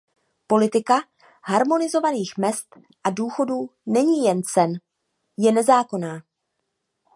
Politika harmonizovaných mezd a důchodů není jen sen, je nezákonná.